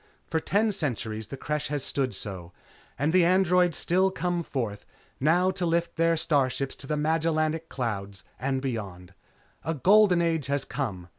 For ten centuries the Creche has stood so, and the Androids still come forth, now to lift their starships to the Magellanic Clouds and beyond. A Golden Age has come.